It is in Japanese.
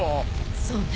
そうね